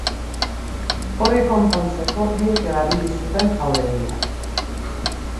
Hori konpontzeko biek erabili zuten jauregia.